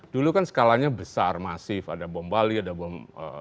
dulu kan skalanya besar masif ada bom bali ada bom